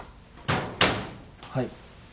はい。